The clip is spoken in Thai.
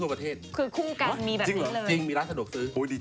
อีก๖ราศีพรุ่งนี้ติดตามกันได้ค่ะ